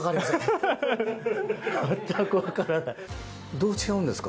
どう違うんですか？